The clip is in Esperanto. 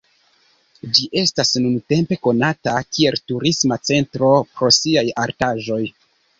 Ĝi estas nuntempe konata kiel turisma centro pro siaj artaĵoj.